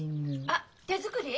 あっ手作り？